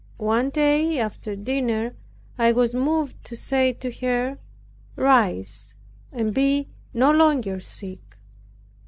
One day, after dinner, I was moved to say to her, "Rise and be no longer sick."